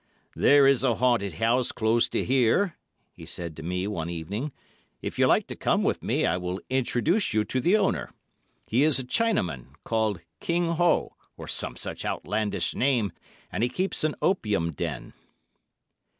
"There is a haunted house close to here," he said to me one evening; "if you like to come with me I will introduce you to the owner. He is a Chinaman, called King Ho, or some such outlandish name, and he keeps an opium den."